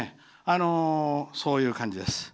そういう感じです。